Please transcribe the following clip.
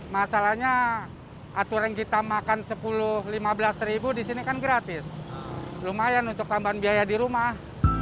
masalahnya aturan kita makan sepuluh lima belas di sini kan gratis lumayan untuk tambahan biaya di rumah